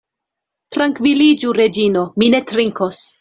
Trankviliĝu, Reĝino; mi ne trinkos.